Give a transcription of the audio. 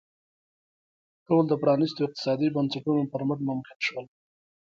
ټول د پرانیستو اقتصادي بنسټونو پر مټ ممکن شول.